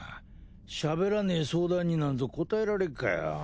しゃべらねえ相談になんぞ答えられっかよ。